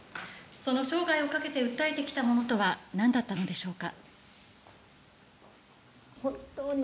その生涯をかけて訴えてきたものとは何だったのでしょうか。